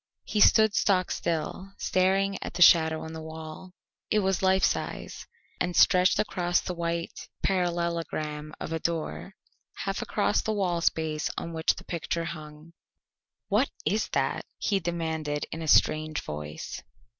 He stood stock still staring at the shadow on the wall. It was life size and stretched across the white parallelogram of a door, half across the wall space on which the picture hung. "What is that?" he demanded in a strange voice.